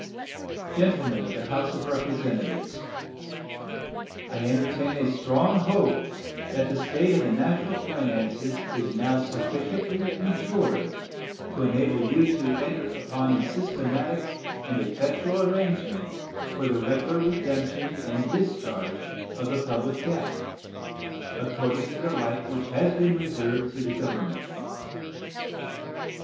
Gentlemen of the House of Representatives: I entertain a strong hope that the state of the national finances is now sufficiently matured to enable you to enter upon a systematic and effectual arrangement for the regular redemption and discharge of the public debt, according to the right which has been reserved to the Government.